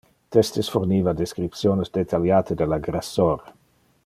Testes forniva descriptiones detaliate del aggressor.